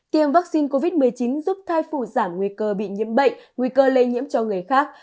tiêm vaccine covid một mươi chín giúp thai phụ giảm nguy cơ bị nhiễm bệnh nguy cơ lây nhiễm cho người khác